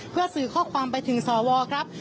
เพื่อสื่อข้อความไปถึงสวครับ